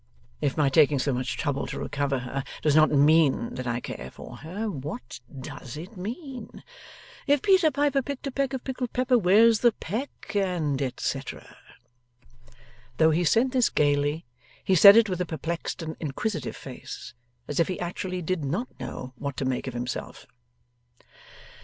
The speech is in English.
If my taking so much trouble to recover her does not mean that I care for her, what does it mean? "If Peter Piper picked a peck of pickled pepper, where's the peck," &c.?' Though he said this gaily, he said it with a perplexed and inquisitive face, as if he actually did not know what to make of himself.